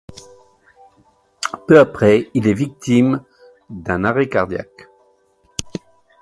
Peu après, il est victime d'un arrêt cardiaque.